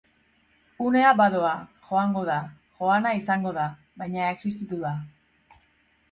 Unea badoa, joango da, joana izango da, baina existitu da.